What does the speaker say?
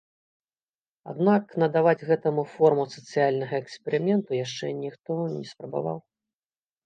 Аднак надаваць гэтаму форму сацыяльнага эксперыменту яшчэ ніхто не спрабаваў.